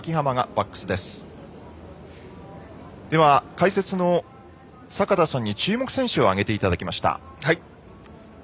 解説の坂田さんに注目選手を挙げていただきました。